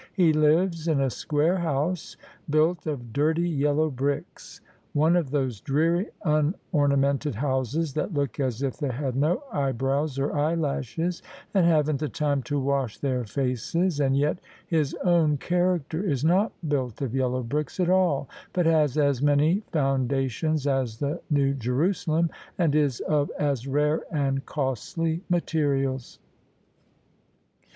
He lives in a square house built of dirty yellow bricks — one of those dreary, unornamented houses, that look as if they had no eyebrows or eyelashes, and haven't the time to wash their faces; and yet his own character is not built of yellow bricks at all, but has as many foundations as the New Jerusalem, and is of as rare and costly materials."